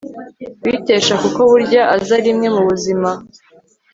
kuyitesha kuko burya aza rimwe mu buzima